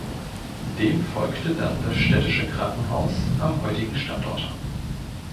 Dem folgte dann das Städtische Krankenhaus am heutigen Standort.